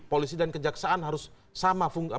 polisi dan kejaksaan harus sama